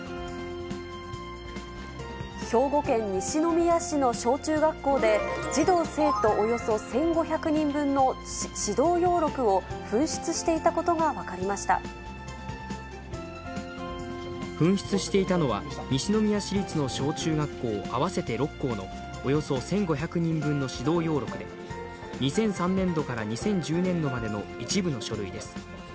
兵庫県西宮市の小中学校で、児童・生徒およそ１５００人分の指導要録を紛失していたことが分紛失していたのは、西宮市立の小中学校合わせて６校のおよそ１５００人分の指導要録で、２００３年度から２０１０年度までの一部の書類です。